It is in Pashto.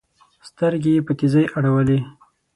سترګي یې په تېزۍ اړولې